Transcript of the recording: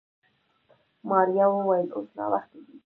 ماريا وويل اوس ناوخته دی.